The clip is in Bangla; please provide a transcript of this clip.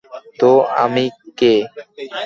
তো আমি কে?